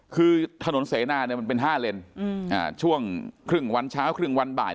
คือถนนเสนาเนี่ยมันเป็น๕เลนช่วงครึ่งวันเช้าครึ่งวันบ่าย